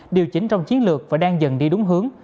điều chỉnh trong chiến lược và đang dần đi đúng hướng